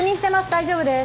大丈夫です